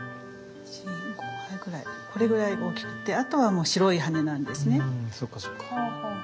これぐらい大きくてあとはもう白い羽根なんですね。